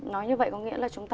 nói như vậy có nghĩa là chúng ta